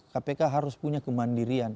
kpk harus punya kemandirian